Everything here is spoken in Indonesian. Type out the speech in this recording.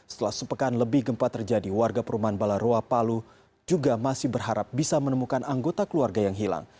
setelah sepekan lebih gempa terjadi warga perumahan balaroa palu juga masih berharap bisa menemukan anggota keluarga yang hilang